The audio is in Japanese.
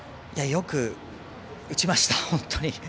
よく打ちました、本当に。